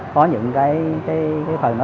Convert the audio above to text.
có những cái phần đó